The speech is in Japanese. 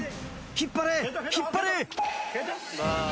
引っ張れ、引っ張れ！